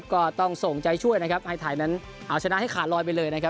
ก็ต้องทรงใจช่วยให้ไถ่นั้นชนะขาดรอยไปเลย